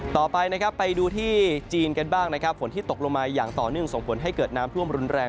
ต่อไปนะครับไปดูที่จีนกันบ้างนะครับฝนที่ตกลงมาอย่างต่อเนื่องส่งผลให้เกิดน้ำท่วมรุนแรง